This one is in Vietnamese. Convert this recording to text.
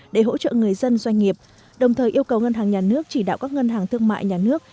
để hỗ trợ người dân doanh nghiệp đồng thời yêu cầu ngân hàng nhà nước chỉ đạo các ngân hàng thương mại nhà nước